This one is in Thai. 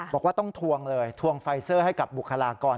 บอกว่าต้องทวงเลยทวงไฟเซอร์ให้กับบุคลากร